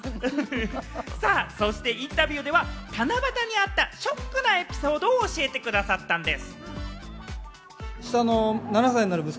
そしてインタビューでは七夕の日にあったショックなエピソードを教えてくださったんです。